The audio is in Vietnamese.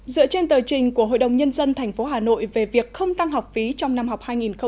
dựa trên tờ trình của hội đồng nhân dân tp hà nội về việc không tăng học phí trong năm học hai nghìn hai mươi hai nghìn hai mươi một